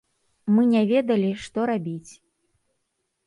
Мы не ведалі, што рабіць.